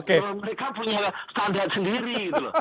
kalau mereka punya standar sendiri